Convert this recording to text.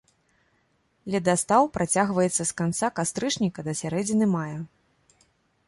Ледастаў працягваецца з канца кастрычніка да сярэдзіны мая.